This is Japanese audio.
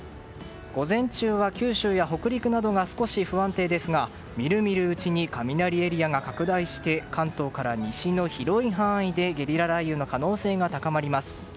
午前中は九州や北陸などが少し不安定ですがみるみるうちに雷エリアが拡大して関東から西の広い範囲でゲリラ雷雨の可能性が高まります。